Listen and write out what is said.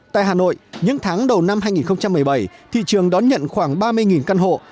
tại hà nội những tháng đầu năm hai nghìn một mươi bảy thị trường đón nhận khoảng ba mươi căn hộ